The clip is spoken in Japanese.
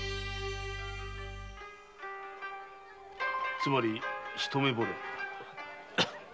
つまり一目惚れ。